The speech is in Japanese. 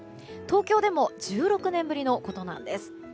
東京でも１６年ぶりのことなんです。